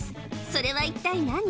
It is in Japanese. それは一体何？